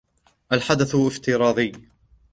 الحدث افتراضي